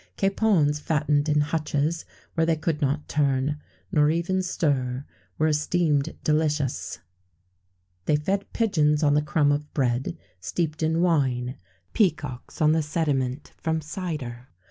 Capons fattened in hutches, where they could not turn, nor even stir, were esteemed delicious. They fed pigeons on the crumb of bread, steeped in wine; peacocks on the sediment from cider.